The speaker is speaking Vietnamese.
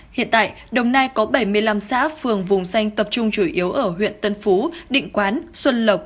hiện tại đồng nai có bảy mươi năm xã phường vùng xanh tập trung chủ yếu ở huyện tân phú định quán xuân lộc